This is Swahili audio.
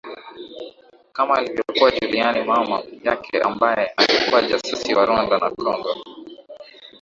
Kama alivyokuwa Juliana mama yake ambaye alikuwa jasusi wa Rwanda na congo